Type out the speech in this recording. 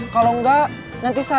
kalau nggak nanti saya yang dia cari